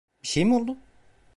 Bir şey mi oldu?